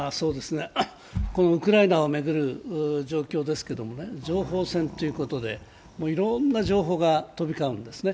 このウクライナを巡る状況ですけれども情報戦ということで、いろんな情報が飛び交うんですね。